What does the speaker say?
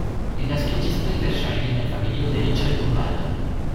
Li naskiĝis plej verŝajne en familio de riĉaj urbanoj.